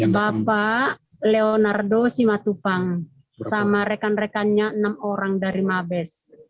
bapak leonardo simatupang sama rekan rekannya enam orang dari mabes